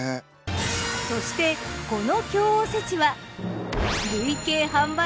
そしてこの京おせちは。